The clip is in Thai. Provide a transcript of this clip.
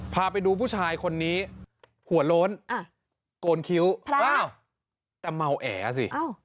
พาไปดูผู้ชายคนนี้หัวโล้นอ่ะกลคิวพระแต่เมาแอ๋สิอ้าว